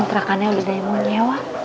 intrakannya udah ada yang mau nyewa